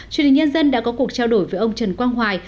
chủ tịch nhân dân đã có cuộc trao đổi với ông trần quang hoài